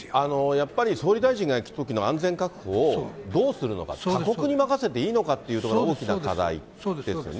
やっぱり、総理大臣が行くときの安全確保をどうするのか、他国に任せていいのかっていうところが大きな課題ですよね。